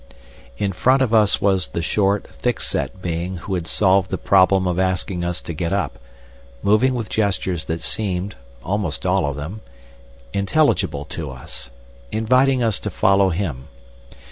In front of us was the short, thick set being who had solved the problem of asking us to get up, moving with gestures that seemed, almost all of them, intelligible to us, inviting us to follow him.